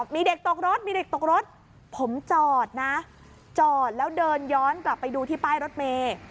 มีเด็กตกรถมีเด็กตกรถผมจอดนะจอดแล้วเดินย้อนกลับไปดูที่ป้ายรถเมย์